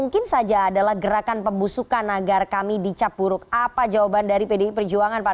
kita pun sebenarnya